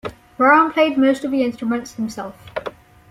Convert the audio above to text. Brown played most of the instruments himself.